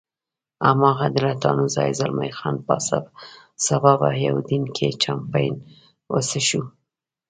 هماغه د لټانو ځای، زلمی خان پاڅه، سبا به په یوډین کې چامپېن وڅښو.